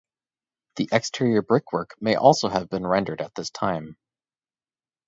The exterior brickwork may also have been rendered at this time.